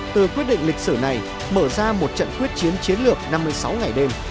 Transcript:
từ quyết định lịch sử này mở ra một trận quyết chiến chiến lược năm mươi sáu ngày đêm